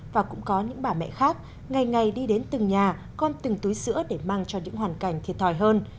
và cũng có những bà mẹ khác ngày ngày đi đến từng nhà con từng túi sữa để mang cho những hoàn cảnh thiệt thòi hơn